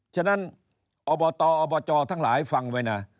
ฉะนั้นอบตอบจทั้งหลายฟังไว้นะ